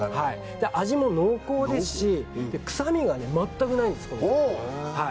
味も濃厚ですし臭みがまったくないんです。